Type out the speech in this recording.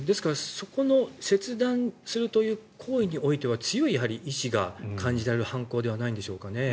そこの切断する行為については強い意思が感じられる犯行ではないでしょうか。